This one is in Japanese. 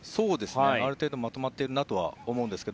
ある程度まとまっているなとは思うんですが。